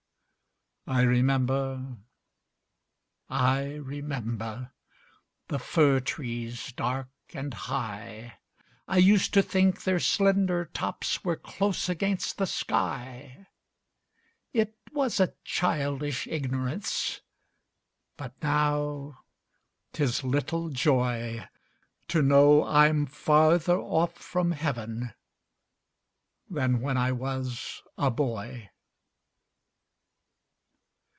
I remember, I remember, The fir trees dark and high; I used to think their slender tops Were close against the sky: It was a childish ignorance, But now 'tis little joy To know I'm farther off from Heav'n Than when I was a boy.